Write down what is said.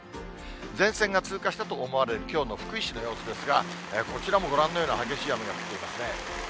前線が通過したと思われる、きょうの福井市の様子ですが、こちらもご覧のような激しい雨が降っていますね。